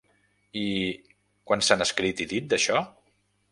I… quant se n’ha escrit i dit, d’això?